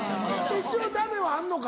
一応ダメはあるのか？